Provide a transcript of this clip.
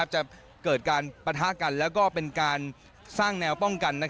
จะเกิดการปะทะกันแล้วก็เป็นการสร้างแนวป้องกัน